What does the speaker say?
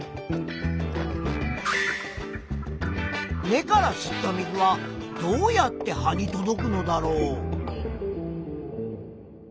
根から吸った水はどうやって葉に届くのだろう？